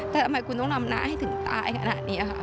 แต่ทำไมคุณต้องทำน้าให้ถึงตายขนาดนี้ค่ะ